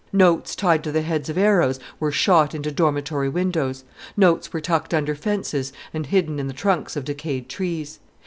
Notes tied to the heads of arrows were shot into dormitory windows; notes were tucked under fences, and hidden in the trunks of decayed trees.